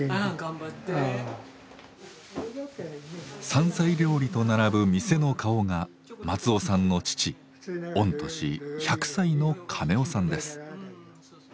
山菜料理と並ぶ店の顔が松雄さんの父御年１００歳の亀雄さんです。